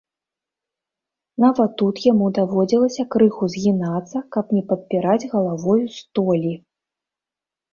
Нават тут яму даводзілася крыху згінацца, каб не падпіраць галавою столі.